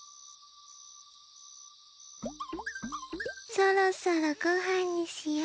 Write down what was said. そろそろごはんにしよう。